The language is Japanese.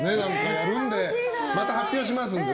やるのでまた発表しますので。